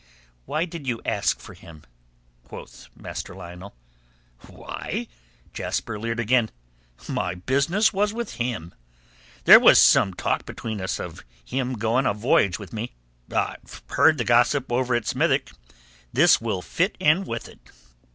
"Why did you ask for him?" quoth Master Lionel. "Why?" Jasper leered again. "My business was with him. There was some talk between us of him going a voyage with me. I've heard the gossip over at Smithick. This will fit in with it."